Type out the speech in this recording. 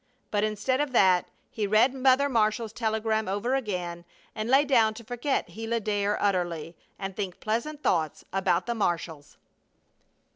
But instead of that he read Mother Marshall's telegram over again, and lay down to forget Gila Dare utterly, and think pleasant thoughts about the Marshalls.